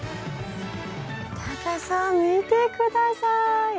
タカさん見て下さい。